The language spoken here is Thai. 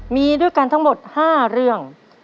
มีด้วยกันทั้งหมด๕เรื่อง